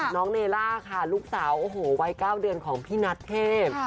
น้องเนล่าค่ะลูกสาวโอ้โหวัย๙เดือนของพี่นัทเทพ